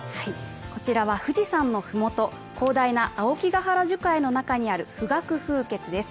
こちらは富士山のふもと、広大な青木ヶ原樹海の中にある富岳風穴です。